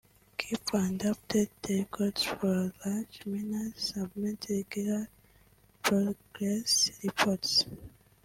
Keep and update the records for large mines ; Submit regular progress reports